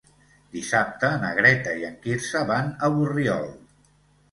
Dissabte na Greta i en Quirze van a Borriol.